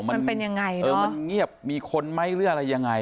มันเป็นยังไงนะหรือมันเงียบมีคนไหมหรืออะไรยังไง